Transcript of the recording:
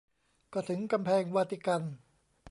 ก็ถึงกำแพงวาติกัน